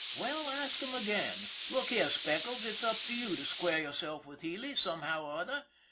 " Well, ask him again. Look here, Speckles, it's up to you to square yourself with Healy, somehow or other.